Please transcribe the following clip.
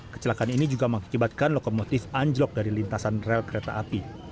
kecelakaan ini juga mengakibatkan lokomotif anjlok dari lintasan rel kereta api